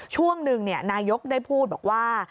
ช่วงหนึ่งนายกได้พูดบอกว่า